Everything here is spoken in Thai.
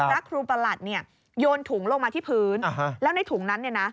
พระครูประหลัดโยนถุงลงมาที่พื้นแล้วในถุงนั้น